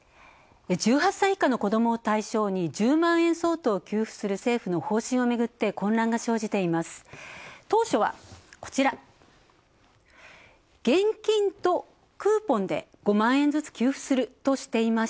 １８歳以下の子供を対象に１０万円相当を給付する政府の方針をめぐって混乱が生じています。